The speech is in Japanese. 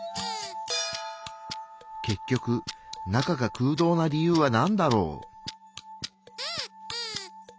結局中が空洞な理由はなんだろう？